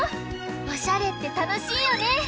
おしゃれってたのしいよね！